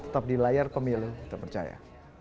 tetap di layar pemilu terpercaya